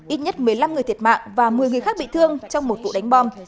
ít nhất một mươi năm người thiệt mạng và một mươi người khác bị thương trong một vụ đánh bom